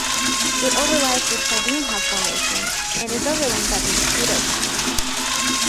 It overlies the Sardinha Formation and is overlain by the Mosquito Formation.